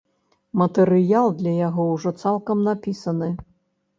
Матэрыял для яго ўжо цалкам напісаны.